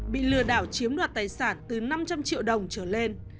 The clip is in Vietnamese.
bị lừa đảo chiếm đoạt tài sản từ năm trăm linh triệu đồng trở lên